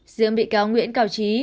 giữa bị cáo nguyễn cào chí